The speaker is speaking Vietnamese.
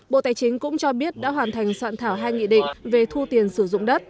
bộ tài chính cũng cho biết đã hoàn thành soạn thảo hai nghị định về thu tiền sử dụng đất